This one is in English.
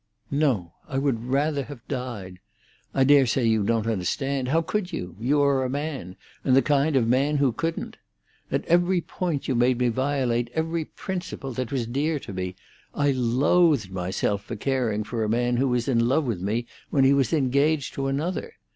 No! I would rather have died. I dare say you don't understand. How could you? You are a man, and the kind of man who couldn't. At every point you made me violate every principle that was dear to me. I loathed myself for caring for a man who was in love with me when he was engaged to another.